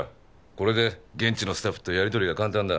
これで現地のスタッフとやりとりが簡単だ。